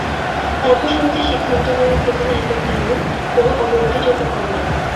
তারপর সমাজে সিদ্ধান্ত নেওয়ার ক্ষেত্রে নারীদের তেমন কোনো অগ্রগতি চোখে পড়ে না।